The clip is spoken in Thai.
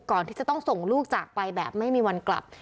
ก่อนที่จะต้องส่งลูกจากไปแบบไม่มีวันกลับ